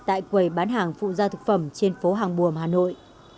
tại quầy bán hàng phụ gia thực phẩm trên phố hàng buồm hà nội